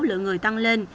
lượng người tăng lên